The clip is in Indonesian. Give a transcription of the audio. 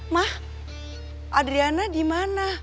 mah adriana dimana